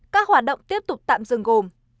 các hoạt động tiếp tục tạm dừng gồm